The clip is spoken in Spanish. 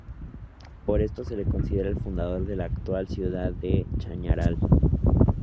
Por esto se le considera el fundador de la actual ciudad de Chañaral.